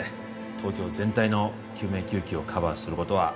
東京全体の救命救急をカバーすることは